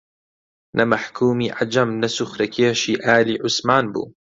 نە مەحکوومی عەجەم نە سوخرەکێشی ئالی عوسمان بوو